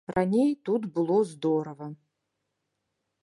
Раней тут было здорава.